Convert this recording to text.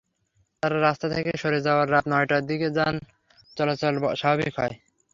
তারা রাস্তা থেকে সরে যাওয়ায় রাত নয়টার দিকে যান চলাচল স্বাভাবিক হয়।